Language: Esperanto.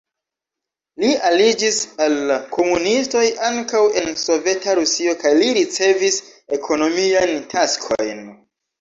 Li aliĝis al la komunistoj ankaŭ en Soveta Rusio kaj li ricevis ekonomiajn taskojn.